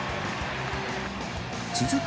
続く